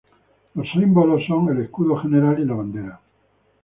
Los símbolos son el Escudo general y la bandera.